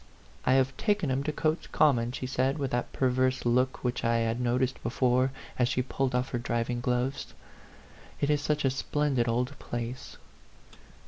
"I have taken him to Cotes Common," she said, with that perverse look which I had noticed before, as she pulled off her driving gloves. "It is such a splendid old place."